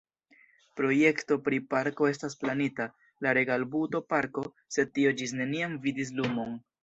Projekto pri parko estas planita, la Regalbuto-parko, sed tio ĝis neniam vidis lumon.